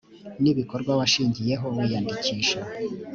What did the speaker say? n ibikorwa washingiyeho wiyandikisha